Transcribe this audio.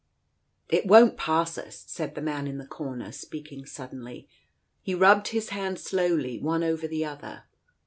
..." It won't pass us I " said the man in the corner, speak ing suddenly. He rubbed his hands slowly one over the other.